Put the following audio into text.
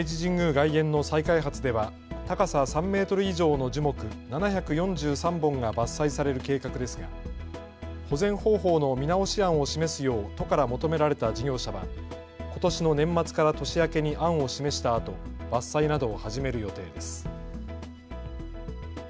外苑の再開発では高さ３メートル以上の樹木７４３本が伐採される計画ですが保全方法の見直し案を示すよう都から求められた事業者はことしの年末から年明けに案を示したあと伐採などを始める予定です。